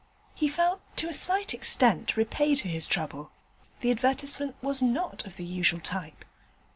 He felt to a slight extent repaid for his trouble; the advertisement was not of the usual type.